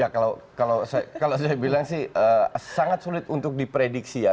ya kalau saya bilang sih sangat sulit untuk diprediksi ya